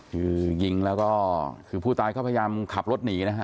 คือยิงแล้วก็คือผู้ตายก็พยายามขับรถหนีนะฮะ